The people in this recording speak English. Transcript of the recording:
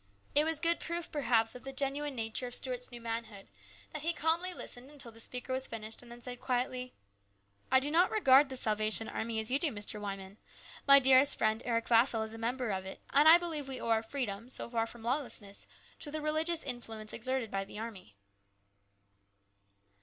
It was good proof, perhaps, of the genuine nature of Stuart's new manhood that he calmly listened until the speaker was finished, and then said quietly : "I do not regard the Salvation Army as you do, Mr. Wyman. My dearest friend, Eric Vassall, is a member of it ; and I believe we owe our freedom so far from lawlessness to the religious influence exerted by the army."